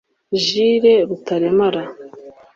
Jill Rutaremara